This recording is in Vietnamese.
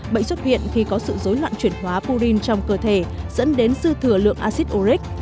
bệnh xuất hiện khi có sự dối loạn chuyển hóa purin trong cơ thể dẫn đến dư thừa lượng acid uric